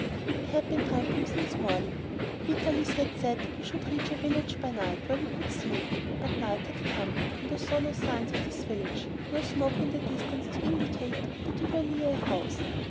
We had been tramping since morning. Vitalis had said that we should reach a village by night where we could sleep, but night had come, and I saw no signs of this village, no smoke in the distance to indicate that we were near a house.